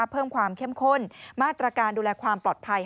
เพิ่มความเข้มข้นมาตรการดูแลความปลอดภัย